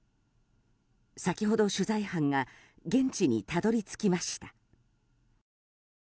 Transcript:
先ほど取材班が現地にたどり着きました。